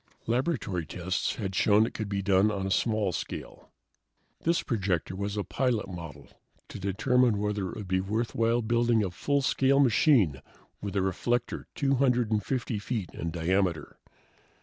Laboratory tests had shown it could be done on a small scale. This projector was a pilot model to determine whether it would be worthwhile building a full size machine with a reflector 250 feet in diameter.